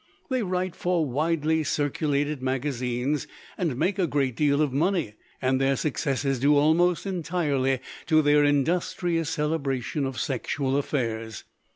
"They write for widely circu lated magazines, and make a great deal of money, and their success is due almost entirely to their industrious celebration of sexual affairs.